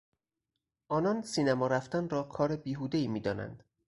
آنان سینما رفتن را کار بیهودهای میدانند.